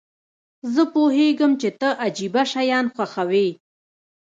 زه پوهیږم چې ته عجیبه شیان خوښوې.